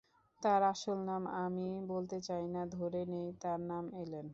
তার আসল নাম আমি বলতে চাই না, ধরে নিই তার নাম এলেন।